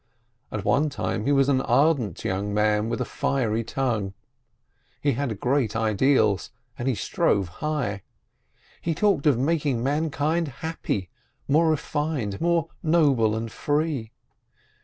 At one time he was an ardent young man, with a fiery tongue. He had great ideals, and he strove high. He talked of making mankind happy, more refined, more noble and free.